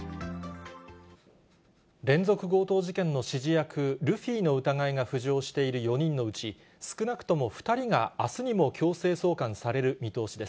連続強盗事件の指示役、ルフィの疑いが浮上している４人のうち、少なくとも２人が、あすにも強制送還される見通しです。